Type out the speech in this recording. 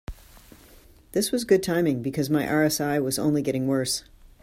This was good timing, because my RSI was only getting worse.